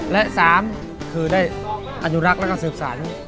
และ๓คือได้อนุรักษ์แล้วก็สืบสาร